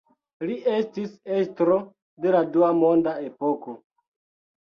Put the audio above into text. Li estis estro de la dua monda epoko.